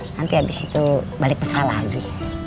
nanti abis itu balik pesalah lagi